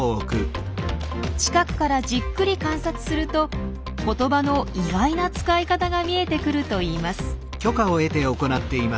近くからじっくり観察すると言葉の意外な使い方が見えてくるといいます。